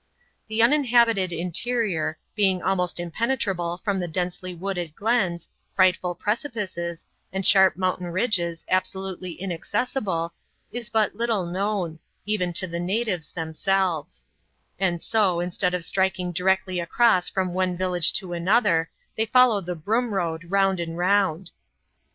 The uninhabited interior, being almost impenetrable from the densely wooded glens, frightful precipices, and sharp mountain ridges absolutely inaccessible, is but little known, even to the natives themselves ; and so, instead of striking directly across from one village to another, they follow the Broom Road round and round.